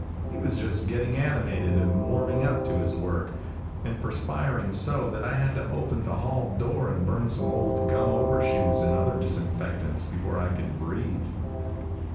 He was just getting animated and warming up to his work, and perspiring so that I had to open the hall door and burn some old gum overshoes and other disinfectants before I could breathe.